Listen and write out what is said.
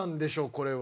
これは。